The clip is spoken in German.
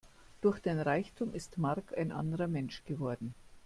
Durch den Reichtum ist Mark ein anderer Mensch geworden.